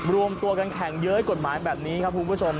รวมตัวกันแข่งเย้ยกฎหมายแบบนี้ครับคุณผู้ชม